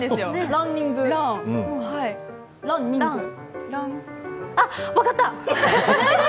ラン・ニングあっ、分かった！